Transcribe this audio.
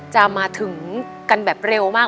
จะมาถึงกันแบบเร็วมาก